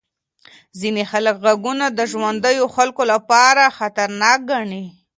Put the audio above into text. ځینې خلک غږونه د ژوندیو خلکو لپاره خطرناک ګڼي.